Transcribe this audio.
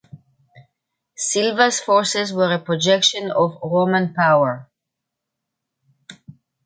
Silva's forces were a projection of Roman power.